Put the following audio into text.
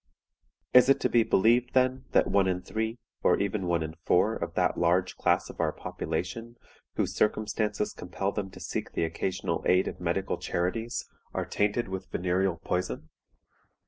"Is it to be believed, then, that one in three, or even one in four, of that large class of our population whose circumstances compel them to seek the occasional aid of medical charities, are tainted with venereal poison?